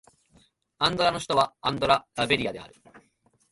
アンドラの首都はアンドラ・ラ・ベリャである